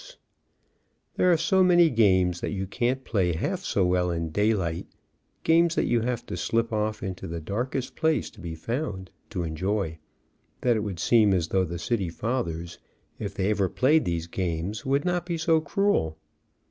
There 198 HOW THE FIREMAN FELL OVER A COW are so many games that you can't play half so well in daylight games that you have to slip off into the darkest place to be found, to enjoy, that it would seem as though the city fathers, if they ever played these games, would not be so cruel.